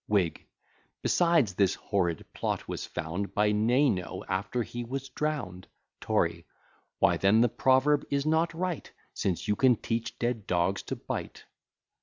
WHIG. Besides, this horrid plot was found By Neynoe, after he was drown'd. TORY. Why then the proverb is not right, Since you can teach dead dogs to bite.